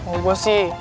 sih mau gue sih